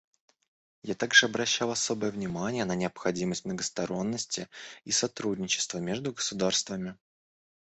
Я также обращал особое внимание на необходимость многосторонности и сотрудничества между государствами.